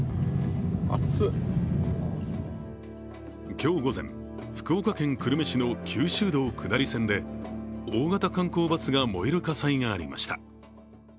今日午前、福岡県久留米市の九州道下り線で大型観光バスが燃える火災がありました。